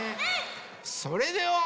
それでは。